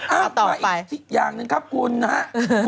เอ้าไปอีกอย่างนึงครับคุณครับเอ่อไปอีกต่อไป